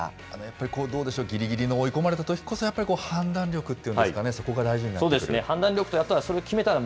やっぱりどうでしょう、ぎりぎりの追い込まれたときこそ、やっぱり判断力っていうんですかね、そこが大事になってくる？